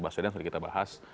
nah ini ada yang sudah kita bahas